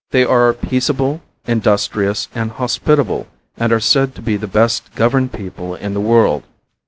They are peaceable, industrious and hospitable and are said to be the best governed people in the world.